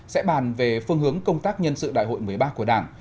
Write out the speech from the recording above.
sẽ bàn về phương hướng công tác nhân sự đại hội một mươi ba của đảng